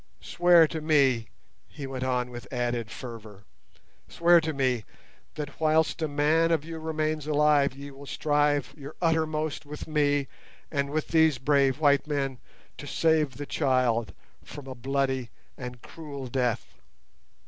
Swear to me," he went on with added fervour—"swear to me that whilst a man of you remains alive ye will strive your uttermost with me and with these brave white men to save the child from a bloody and cruel death."